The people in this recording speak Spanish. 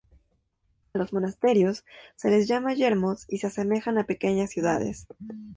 A los monasterios se les llama yermos y se asemejan a pequeñas ciudades.